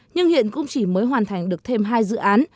nhưng hiện cũng chỉ mới hoàn thành được thêm hai dự án